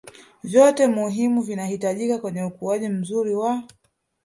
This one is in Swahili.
vyote muhimu vinavyohitajika kwenye ukuaji mzuri wa